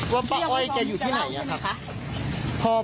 ว่าป้าอ้อยจะอยู่ที่ไหนอ่ะครับ